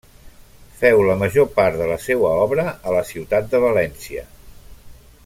Féu la major part de la seua obra a la ciutat de València.